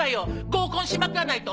合コンしまくらないと。